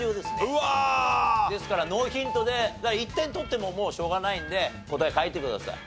うわあ！ですからノーヒントで１点取ってももうしょうがないんで答え書いてください。